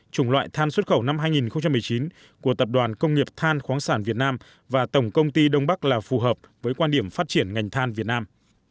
chủng loại than xuất khẩu năm hai nghìn một mươi chín của tập đoàn công nghiệp than khoáng sản việt nam và tổng công ty đông bắc là phù hợp với quan điểm phát triển ngành than việt nam